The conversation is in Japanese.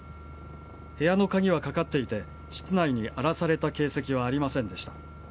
部屋の鍵はかかっていて室内に荒らされた形跡はありませんでした。